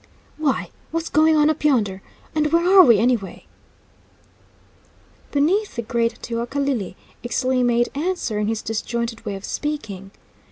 "Why? What's going on up yonder? And where are we, anyway?" Beneath the great teocalli, Ixtli made answer in his disjointed way of speaking.